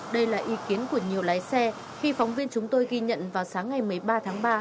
đây là ý kiến của nhiều lái xe khi phóng viên chúng tôi ghi nhận vào sáng ngày một mươi ba tháng ba